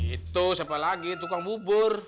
itu siapa lagi tukang bubur